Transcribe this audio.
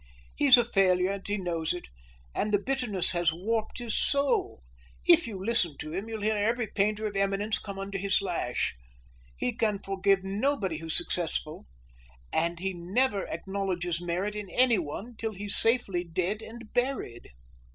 He's a failure, and he knows it, and the bitterness has warped his soul. If you listen to him, you'll hear every painter of eminence come under his lash. He can forgive nobody who's successful, and he never acknowledges merit in anyone till he's safely dead and buried."